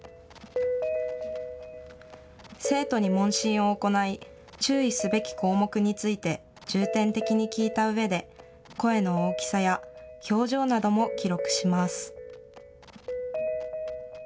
生徒に問診を行い、注意すべき項目について重点的に聞いたうえで、声の大きさや表情なども記録します。